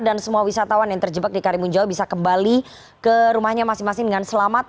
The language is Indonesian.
dan semua wisatawan yang terjebak di karimunjawa bisa kembali ke rumahnya masing masing dengan selamat